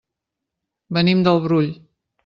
Venim del Brull.